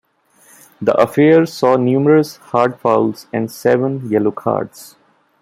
The affair saw numerous hard fouls and seven yellow cards.